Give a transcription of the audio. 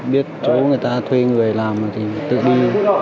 biết chỗ người ta thuê người làm thì tự đi